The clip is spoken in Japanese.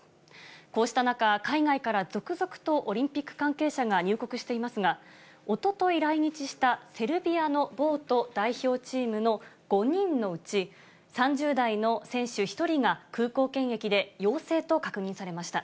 こうした中、海外から続々とオリンピック関係者が入国していますが、おととい来日したセルビアのボート代表チームの５人のうち、３０代の選手１人が、空港検疫で陽性と確認されました。